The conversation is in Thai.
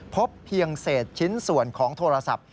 พบเพียงเศษชิ้นส่วนของโทรศัพท์